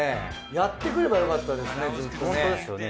やってくればよかったですねずっとね。